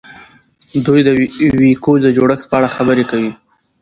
دوی د وییکو د جوړښت په اړه خبرې کوي.